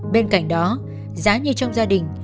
bên cạnh đó giái như trong gia đình